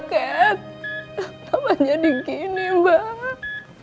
kenapa jadi begini mbak